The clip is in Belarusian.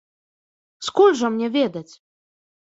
Скуль жа мне ведаць.